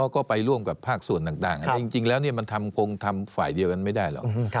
ก็ไปร่วมกับภาคส่วนต่างอันนี้จริงแล้วมันคงทำฝ่ายเดียวกันไม่ได้หรอก